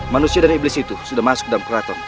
manusia dari iblis itu sudah masuk dalam keraton